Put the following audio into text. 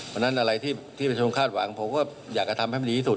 วันนั้นอะไรที่ผู้ชมคาดหวังผมก็อยากจะทำให้ดีที่สุด